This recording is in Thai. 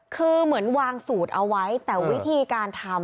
คือเหมือนวางสูตรเอาไว้แต่วิธีการทำ